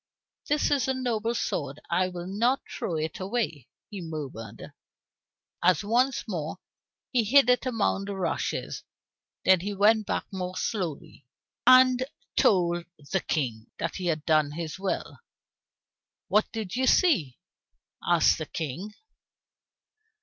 "It is a noble sword; I will not throw it away," he murmured, as once more he hid it among the rushes. Then he went back more slowly, and told the King that he had done his will. "What did you see?" asked the King.